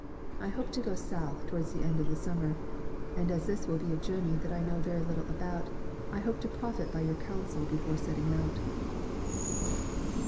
.I hope to go South towards the end of the summer, and as this will be a journey that I know very little about, I hope to profit by your counsel before setting out."